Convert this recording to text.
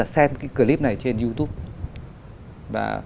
xem clip này trên youtube